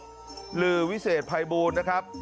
ตรูวิแซตพลายบูรณ์นะครับ